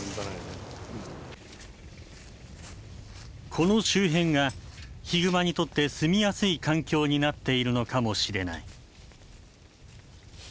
この周辺がヒグマにとって住みやすい環境になっているのかもしれない。